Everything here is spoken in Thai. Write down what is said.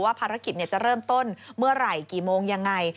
ภารกิจจะเริ่มต้นเมื่อไหร่กี่โมงยังไง